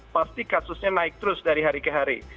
pasti kasusnya naik terus dari hari ke hari